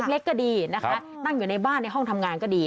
เล็กก็ดีนะคะตั้งอยู่ในบ้านในห้องทำงานก็ดี